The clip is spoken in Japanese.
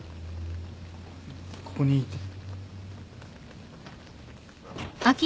ここにいて。